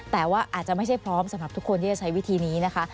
แต่ว่าอาจจะไม่ใช่พร้อมสำหรับทุกคนที่จะใช้วิธีนี้นะคะ